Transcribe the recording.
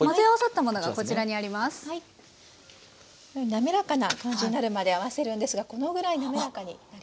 滑らかな感じになるまで合わせるんですがこのぐらい滑らかになります。